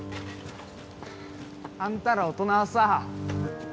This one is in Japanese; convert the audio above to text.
あんたら大人はさ